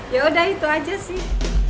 ya udah itu aja sih